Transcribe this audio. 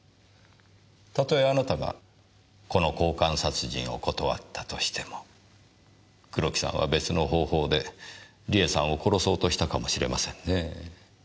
たとえあなたがこの交換殺人を断ったとしても黒木さんは別の方法で梨絵さんを殺そうとしたかもしれませんねぇ。